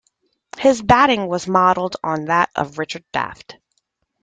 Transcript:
His batting was modelled on that of Richard Daft.